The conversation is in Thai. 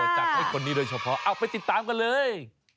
จัดให้คนนี้โดยเฉพาะเอาไปติดตามกันเลย